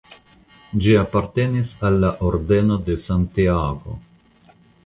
Ĝi apartenis al la Ordeno de Santiago.